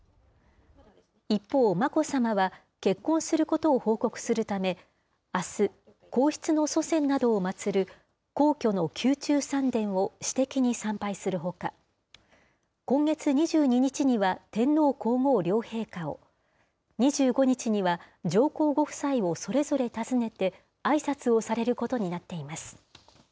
一方、眞子さまは結婚することを報告するため、あす、皇室の祖先などを祭る、皇居の宮中三殿を私的に参拝するほか、今月２２日には、天皇皇后両陛下を、２５日には上皇ご夫妻をそれぞれ訪ねて、あいさつをされることになっています。